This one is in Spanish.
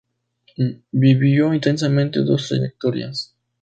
Vivió intensamente dos trayectorias.